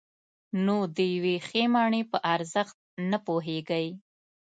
نو د یوې ښې مڼې په ارزښت نه پوهېږئ.